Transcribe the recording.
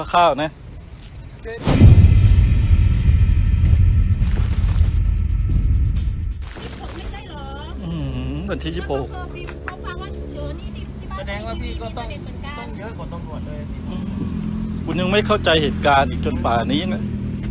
ก็ต้องเยอะกว่าตรงรวมด้วยคุณยังไม่เข้าใจเหตุการณ์อีกจนป่านี้น่ะ